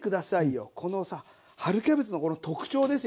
このさ春キャベツのこの特徴ですよね。